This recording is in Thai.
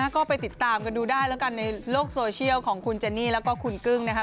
ก็ไปติดตามกันดูได้แล้วกันในโลกโซเชียลของคุณเจนี่แล้วก็คุณกึ้งนะคะ